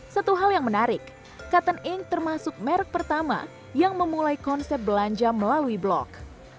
satu hal yang menarik katten inc termasuk merk pertama yang memulai konsep belanja melalui blog